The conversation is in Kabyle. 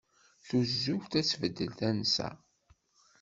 Tuzzuft ad tbeddel tansa.